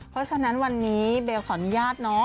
เพราะฉะนั้นวันนี้เบลขออนุญาตเนาะ